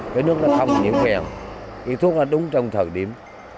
cái nước nó không nhiễm kèm cái thuốc nó đúng trong thời điểm